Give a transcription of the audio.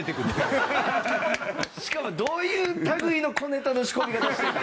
しかもどういう類いの小ネタの仕込み方してんねん。